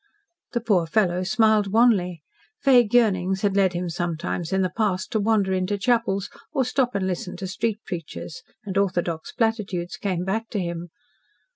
The poor fellow smiled wanly. Vague yearnings had led him sometimes, in the past, to wander into chapels or stop and listen to street preachers, and orthodox platitudes came back to him.